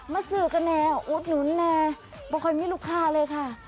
มาซื้อกันแนวอุ๊ดนุ้นแนวไม่ค่อยมีลูกค้าเลยค่ะ